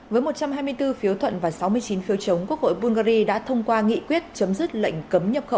với một trăm hai mươi bốn phiếu thuận và sáu mươi chín phiếu chống quốc hội bungary đã thông qua nghị quyết chấm dứt lệnh cấm nhập khẩu